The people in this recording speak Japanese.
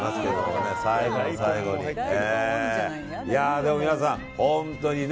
でも皆さん、本当にね。